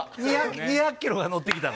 ２００キロが乗ってきたの。